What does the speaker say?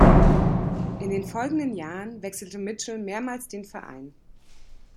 In den folgenden Jahren wechselte Mitchell mehrmals den Verein.